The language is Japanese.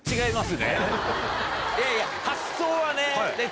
いやいや発想はね。